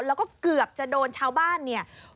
แล้วก็เกือบจะโดนชาวบ้าน